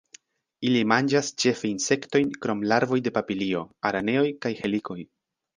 Ili manĝas ĉefe insektojn krom larvoj de papilioj, araneoj kaj helikoj.